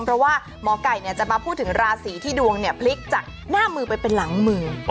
เพราะว่าหมอไก่จะมาพูดถึงราศีที่ดวงพลิกจากหน้ามือไปเป็นหลังมือ